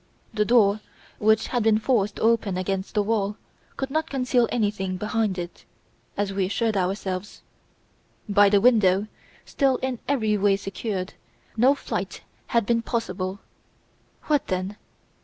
The door, which had been forced open against the wall, could not conceal anything behind it, as we assured ourselves. By the window, still in every way secured, no flight had been possible. What then?